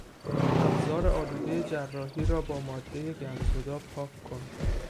ابزار آلودهی جراحی را با مادهی گندزدا پاک کن.